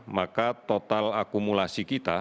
maka total akumulasi kita